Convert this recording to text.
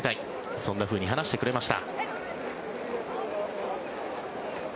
そんなふうに話してくれました。